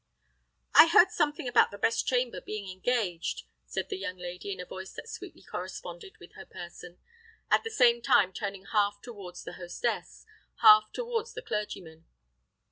"I heard something about the best chamber being engaged," said the young lady, in a voice that sweetly corresponded with her person, at the same time turning half towards the hostess, half towards the clergyman.